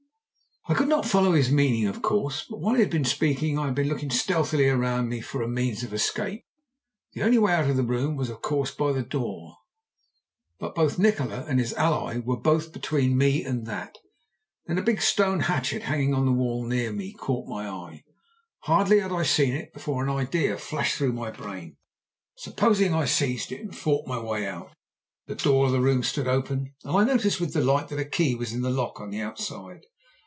"I could not follow his meaning, of course, but while he had been speaking I had been looking stealthily round me for a means of escape. The only way out of the room was, of course, by the door, but both Nikola and his ally were between me and that. Then a big stone hatchet hanging on the wall near me caught my eye. Hardly had I seen it before an idea flashed through my brain. Supposing I seized it and fought my way out. The door of the room stood open, and I noticed with delight that the key was in the lock on the outside.